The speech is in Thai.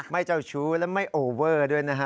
ไม่เจ้าชู้และไม่โอเวอร์ด้วยนะครับ